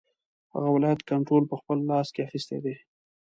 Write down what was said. هغه ولایت کنټرول په خپل لاس کې اخیستی دی.